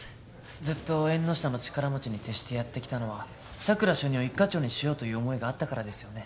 ずっと縁の下の力持ちに徹してやってきたのは佐久良主任を一課長にしようという思いがあったからですよね